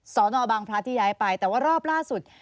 สอนอบางพลัดที่ย้ายไปแต่ว่ารอบล่าสุด